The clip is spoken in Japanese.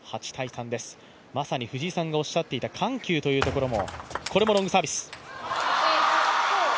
まさに藤井さんがおっしゃっていた緩急というところも。